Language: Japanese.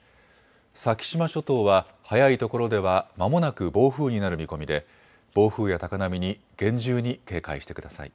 先島諸島は早いところではまもなく暴風になる見込みで暴風や高波に厳重に警戒してください。